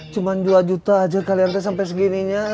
cuman dua juta aja kalian teh sampe segininya